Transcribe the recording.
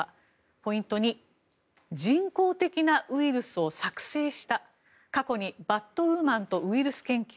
ポイント２人工的なウイルスを作成した過去にバットウーマンとウイルス研究